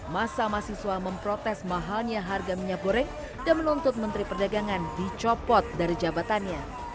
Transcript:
masa mahasiswa memprotes mahalnya harga minyak goreng dan menuntut menteri perdagangan dicopot dari jabatannya